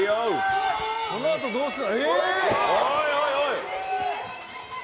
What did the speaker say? この後どうする。